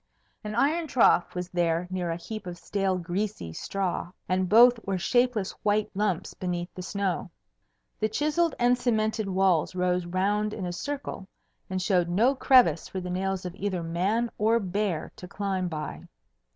An iron trough was there near a heap of stale greasy straw, and both were shapeless white lumps beneath the snow. The chiselled and cemented walls rose round in a circle and showed no crevice for the nails of either man or bear to climb by.